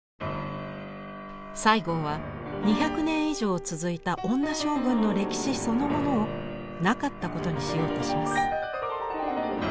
西郷は２００年以上続いた女将軍の歴史そのものをなかったことにしようとします。